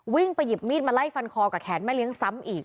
ไปหยิบมีดมาไล่ฟันคอกับแขนแม่เลี้ยงซ้ำอีก